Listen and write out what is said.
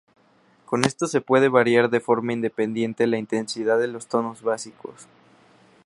Con esto se puede variar de forma independiente la intensidad de los tonos básicos.